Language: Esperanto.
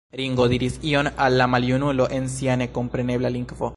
Ringo diris ion al la maljunulo en sia nekomprenebla lingvo.